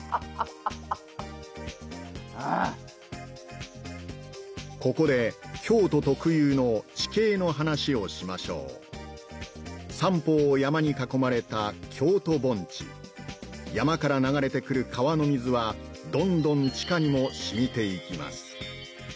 うんここで京都特有の地形の話をしましょう三方を山に囲まれた京都盆地山から流れてくる川の水はどんどん地下にもしみていきます